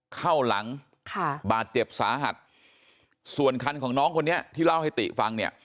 เข้าหลังค่ะบาดเจ็บสาหัสส่วนคันของน้องคนนี้ที่เล่าให้ติฟังเนี่ย